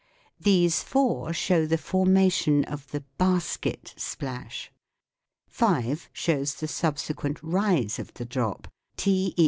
These four show the formation of the "basket" splash. (5) Shows the subsequent rise of the drop ;(= 'i sec.